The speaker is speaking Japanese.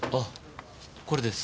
これです。